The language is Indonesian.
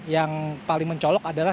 yang paling mencolok adalah